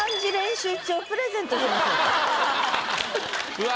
うわ。